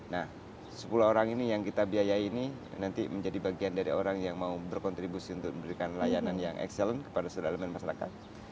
nah sepuluh orang ini yang kita biayai ini nanti menjadi bagian dari orang yang mau berkontribusi untuk memberikan layanan yang excellent kepada seluruh elemen masyarakat